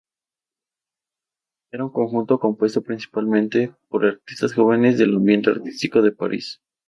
Era un conjunto compuesto, principalmente, por artistas jóvenes del ambiente artístico de París.